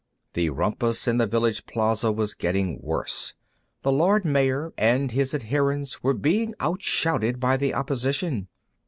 The rumpus in the village plaza was getting worse. The Lord Mayor and his adherents were being out shouted by the opposition.